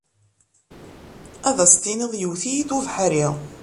Ad as-tiniḍ yewwet-iyi-d ubeḥri.